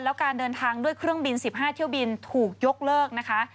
แล้วการเดินทางด้วยเครื่องบิน๑๕เที่ยวบินถูกยกเลิกนะคะ